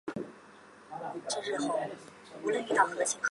出身于日本岩手县。